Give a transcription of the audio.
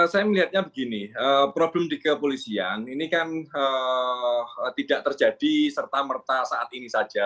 saya melihatnya begini problem di kepolisian ini kan tidak terjadi serta merta saat ini saja